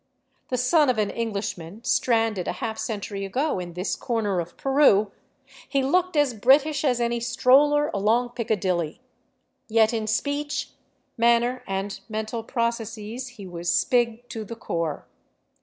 The son of an Englishman stranded a half century ago in this corner of Peru, he looked as British as any stroller along Piccadilly ; yet in speech, manner, and mental processes he was " Spig " to the core.